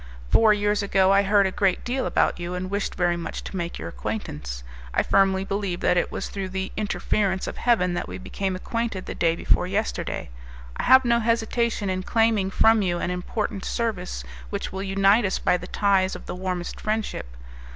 Four years ago I heard a great deal about you, and wished very much to make your acquaintance; I firmly believe that it was through the interference of Heaven that we became acquainted the day before yesterday. I have no hesitation in claiming from you an important service which will unite us by the ties of the warmest friendship.